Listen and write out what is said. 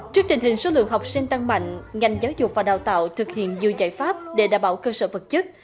trước tình hình số lượng học sinh tăng mạnh ngành giáo dục và đào tạo thực hiện dư giải pháp để đảm bảo cơ sở vật chất